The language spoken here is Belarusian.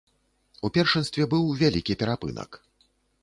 У першынстве быў вялікі перапынак.